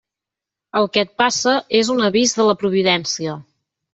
El que et passa és un avís de la Providència.